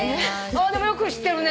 でもよく知ってるね。